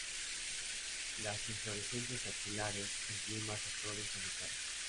Las inflorescencias axilares, en cimas o flores solitarias.